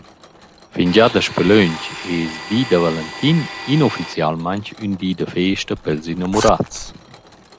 Fingià daspö lönch es Di da Valentin inufficialmaing ün di da festa pels inamurats.